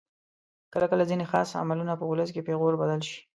کله کله ځینې خاص عملونه په ولس کې پیغور بدل شي.